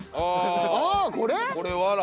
ああこれ？